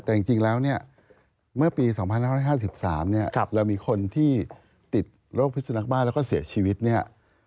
แต่จริงแล้วเมื่อปี๒๕๕๓เรามีคนที่ติดโรคพิสุนักบ้าแล้วก็เสียชีวิต๑๕ราย